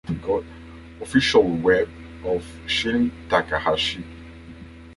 Official web of Shin Takahashi.